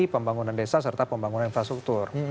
pembangunan desa serta pembangunan infrastruktur